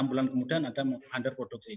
enam bulan kemudian ada underproduksi